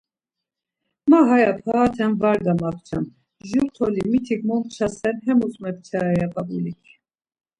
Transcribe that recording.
Ma haya parate var gamapçam, jur toli mitik momçasen hemus mepçare ya p̌ap̌ulik.